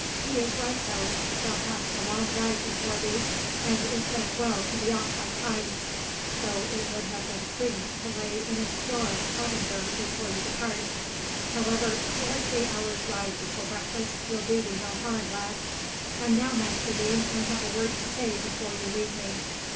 He is right, though, thou hast a long ride before thee, and it's as well to be off by times, though it would have been prudent to lay in a store of provender before you depart; however, two or three hours' ride before breakfast will do thee no harm, lad. And now, Master Deane, I have a word to say before you leave me.